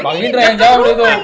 bang indra yang jawab itu